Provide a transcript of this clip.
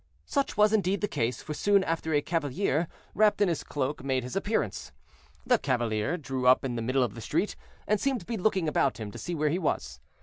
Such was indeed the case, for soon after a cavalier, wrapped in his cloak, made his appearance. The cavalier drew up in the middle of the street, and seemed to be looking about him to see where he was.